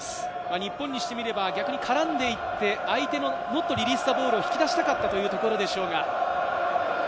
日本にしてみれば逆に絡んで行って相手のノットリリースザボールを引き出したかったというところでしょうが。